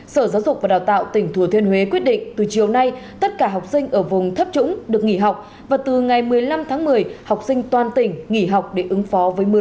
sở giáo dục và đào tạo tỉnh thừa thiên huế quyết định từ chiều nay tất cả học sinh ở vùng thấp trũng được nghỉ học và từ ngày một mươi năm tháng một mươi học sinh toàn tỉnh nghỉ học để ứng phó với mưa lũ